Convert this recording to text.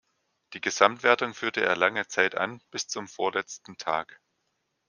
Die Gesamtwertung führte er lange Zeit an, bis zum vorletzten Tag.